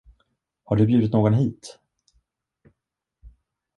Har du bjudit någon hit?